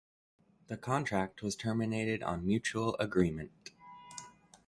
The contract was terminated on mutual agreement.